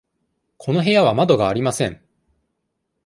この部屋は窓がありません。